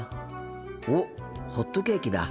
おっホットケーキだ。